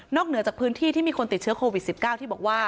เหนือจากพื้นที่ที่มีคนติดเชื้อโควิด๑๙ที่บอกว่า